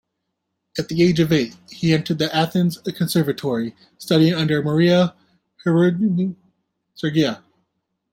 At the age of eight, he entered the Athens Conservatoire, studying under Maria Herogiorgiou-Sigara.